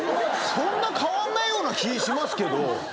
そんな変わんないような気しますけど。